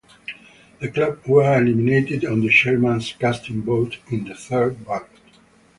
The club were eliminated on the chairman's casting vote in the third ballot.